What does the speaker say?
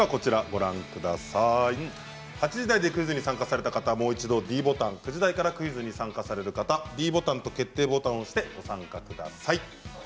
８時台でクイズに参加された方はもう一度ｄボタン９時台から参加される方はｄボタンと決定ボタンを押してご参加ください。